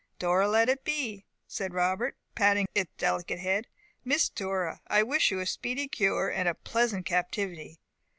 "Dora let it be," said Robert, patting its delicate head. "Miss Dora, I wish you a speedy cure, and a pleasant captivity."